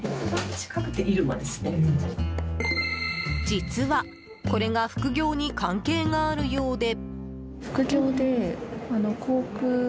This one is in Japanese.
実はこれが副業に関係があるようで。